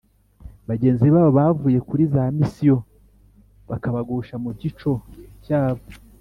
bagenzi babo bavuye kuri za misiyoni bakabagusha mu gico cyabo